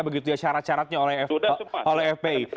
begitu ya syarat syaratnya oleh fpi